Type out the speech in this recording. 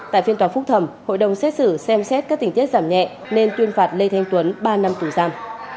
tại phiên tòa phúc thẩm hội đồng xét xử xem xét các tình tiết giảm nhẹ nên tuyên phạt lê thanh tuấn ba năm tù giam